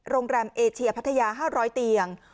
โรงเรียนเอเชียพัทยา๕๐๐เตียง